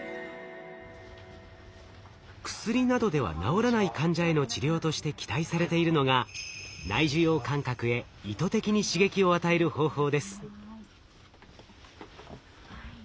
薬などでは治らない患者への治療として期待されているのが内受容感覚へ意図的に刺激を与える方法です。